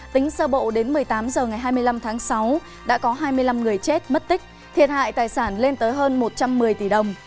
tính sơ bộ đến một mươi tám h ngày hai mươi năm tháng sáu đã có hai mươi năm người chết mất tích thiệt hại tài sản lên tới hơn một trăm một mươi tỷ đồng